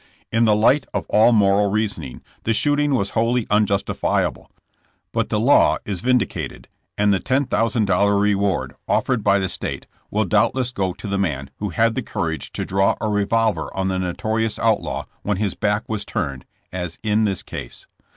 In the light of all moral reasoning the shoot ing was wholly unjustifiable, but the law is vindica ted, and the $10,000 reward offered by the state will doubtless go to the man who had the courage to draw a revolver on the notorious outlaw when his back was turned, as in this case.